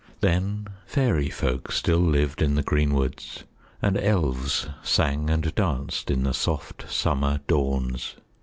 Then fairyfolk still lived in the greenwoods and elves sang and danced in the soft summer dawns.